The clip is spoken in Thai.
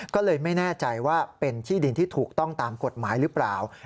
ก็เลยไม่แน่ใจว่าเป็นที่ดินที่ถูกต้องตามกฎหมายหรือเปล่า